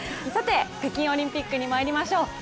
北京オリンピックにまいりましょう。